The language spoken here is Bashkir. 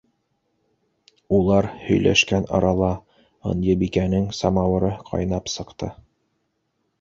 Улар һөйләшкән арала Ынйыбикәнең самауыры ҡайнап сыҡты.